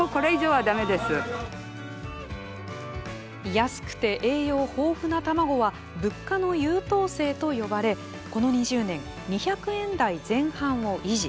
安くて栄養豊富な卵は物価の優等生と呼ばれこの２０年２００円台前半を維持。